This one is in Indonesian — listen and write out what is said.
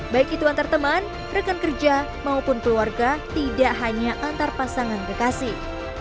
baik itu antar teman rekan kerja maupun keluarga tidak hanya antar pasangan kekasih